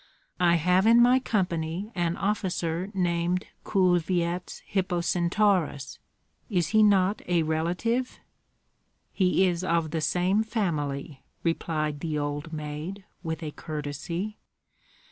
"I have in my company an officer named Kulvyets Hippocentaurus. Is he not a relative?" "He is of the same family," replied the old maid, with a courtesy.